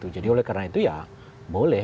jadi oleh karena itu ya boleh